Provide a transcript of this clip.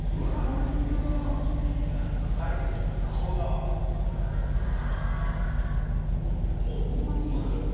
おいしそう最高だわもうどんなもんなんだろう